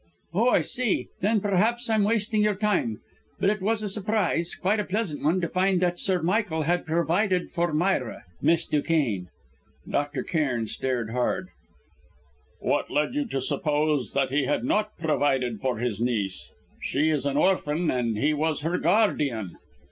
"Oh, I see. Then perhaps I'm wasting your time; but it was a surprise quite a pleasant one to find that Sir Michael had provided for Myra Miss Duquesne." Dr. Cairn stared hard. "What led you to suppose that he had not provided for his niece? She is an orphan, and he was her guardian."